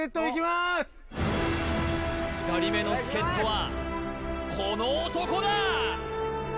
２人目の助っ人はこの男だー！